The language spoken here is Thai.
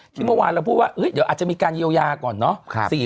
เมื่อวานเราพูดว่าเดี๋ยวอาจจะมีการเยียวยาก่อนเนาะ